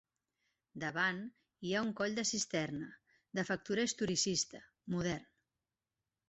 Davant, hi ha un coll de cisterna, de factura historicista, modern.